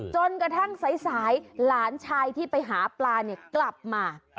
จนกระทั่งสายหลานชายที่ไปหาปลาเนี่ยกลับมา